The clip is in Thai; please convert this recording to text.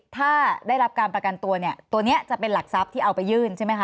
ถ้าได้รับการประกันตัวเนี่ยตัวนี้จะเป็นหลักทรัพย์ที่เอาไปยื่นใช่ไหมคะ